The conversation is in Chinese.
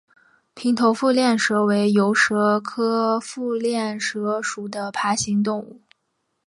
平头腹链蛇为游蛇科腹链蛇属的爬行动物。